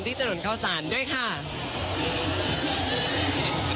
ที่สนชนะสงครามเปิดเพิ่ม